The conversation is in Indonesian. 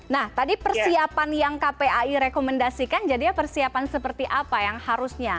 nah tadi persiapan yang kpai rekomendasikan jadinya persiapan seperti apa yang harusnya